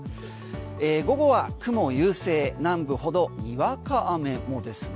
午後は雲優勢南部ほどにわか雨もですね。